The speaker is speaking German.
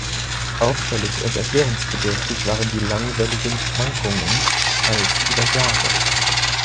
Auffällig und erklärungsbedürftig waren die langwelligen Schwankungen, teils über Jahre.